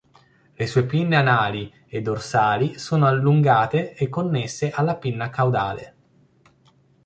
Le sue pinne anali e dorsali sono allungate e connesse alla pinna caudale.